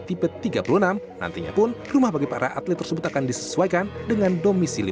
tipe tiga puluh enam nantinya pun rumah bagi para atlet tersebut akan disesuaikan dengan domisili